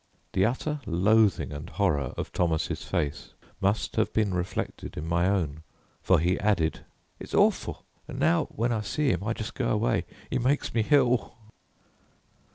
The utter loathing and horror of Thomas' face must have been reflected in my own, for he added: "It's orful, an' now when I see 'im I just go away. 'E maikes me hill."